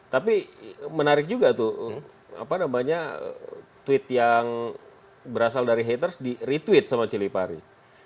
tapi menarik juga tuh apa namanya tweet yang berasal dari haters di retweet sama cili pari